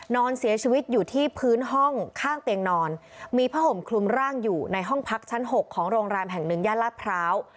นอนเสียชีวิตอยู่ที่พื้นห้องข้างเตียงนอนมีผ้าห่มคลุมร่างอยู่ในห้องพักชั้น๖ของโรงแรมแห่งหนึ่งย่านลาดพร้าว